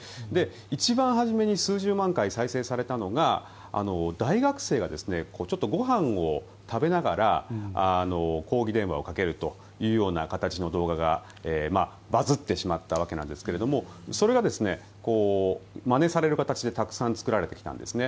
一番初めに数十万回再生されたのが大学生がご飯を食べながら抗議電話をかけるというような形の動画がバズってしまったわけなんですがそれがまねされる形でたくさん作られてきたんですね。